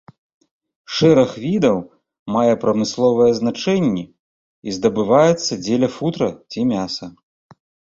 Шэраг відаў мае прамысловае значэнні і здабываецца дзеля футра ці мяса.